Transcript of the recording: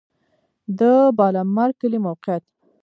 د بالامرګ کلی موقعیت